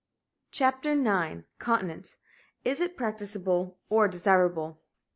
CHAPTER IX CONTINENCE IS IT PRACTICABLE OR DESIRABLE?